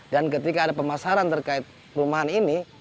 dan ketika ada pemasaran terkait perumahan ini